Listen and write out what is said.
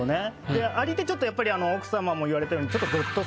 でアリってちょっとやっぱり奥様も言われたようにちょっとゾッと